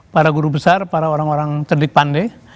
para guru besar para orang orang cerdik pandai